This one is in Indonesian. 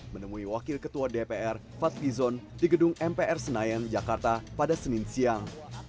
menemui wakil ketua dpr fadli zon di gedung mpr senayan jakarta pada senin siang